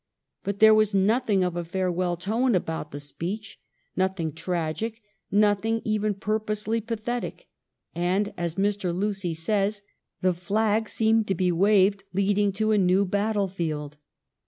But there was nothing of a farewell tone about the speech, nothing tragic, nothing even purposely pathetic, and, as Mr. Lucy says, the flag seemed to be waved leading to a new battlefield.